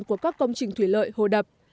của các công trình thủy lợi hồ đập